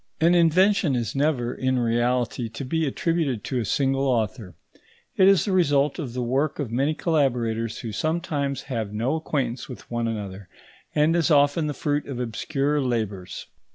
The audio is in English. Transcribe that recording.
An invention is never, in reality, to be attributed to a single author. It is the result of the work of many collaborators who sometimes have no acquaintance with one another, and is often the fruit of obscure labours.